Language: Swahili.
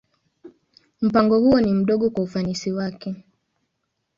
Mpango huo ni mdogo kwa ufanisi wake.